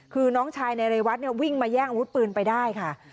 คือน้องชายในเรวัตเนี่ยวิ่งมาแย่งอาวุธปืนไปได้ค่ะ